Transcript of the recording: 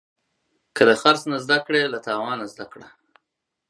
که د خرڅ نه زده کړې، له تاوانه زده کړه.